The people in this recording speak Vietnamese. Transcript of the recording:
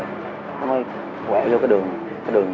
nó mới quẹo vô cái đường